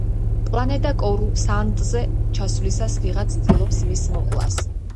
პლანეტა კორუსანტზე ჩასვლისას ვიღაც ცდილობს მის მოკვლას.